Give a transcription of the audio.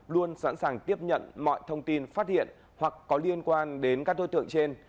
luôn sẵn sàng tiếp nhận mọi thông tin phát hiện hoặc có liên quan đến các đối tượng trên